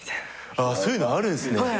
そういうのあるんすね。